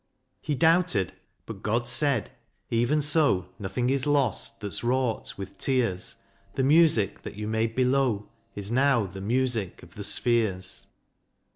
He doubted; but God said, "Even so; Nothing is lost that 's wrought with tears. The music that you made below Is now the music of the spheres.